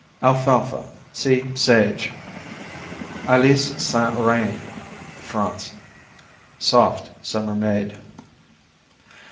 Alfalfa see Sage. Alise Saint Reine France Soft; summer made.